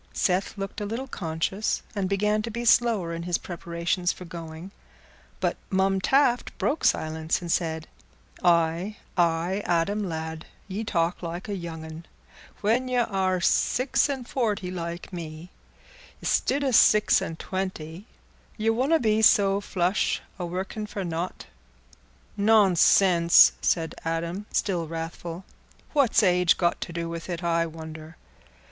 Seth looked a little conscious, and began to be slower in his preparations for going, but Mum Taft broke silence, and said, "Aye, aye, Adam lad, ye talk like a young un. When y' are six an' forty like me, istid o' six an' twenty, ye wonna be so flush o' workin' for nought." "Nonsense," said Adam, still wrathful; "what's age got to do with it, I wonder?